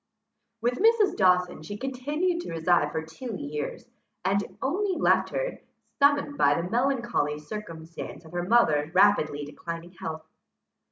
With Mrs. Dawson she continued to reside for two years, and only left her, summoned by the melancholy circumstance of her mother's rapidly declining health.